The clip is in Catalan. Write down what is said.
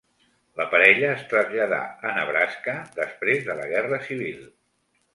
La parella es traslladà a Nebraska després de la Guerra Civil.